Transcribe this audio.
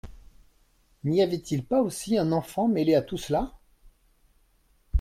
N’y avait-il pas aussi un enfant mêlé à tout cela ?